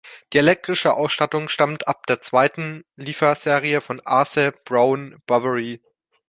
Die elektrische Ausstattung stammt ab der zweiten Lieferserie von Asea Brown Boveri.